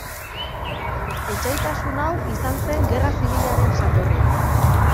Etsaitasun hau izan zen gerra zibilaren jatorria.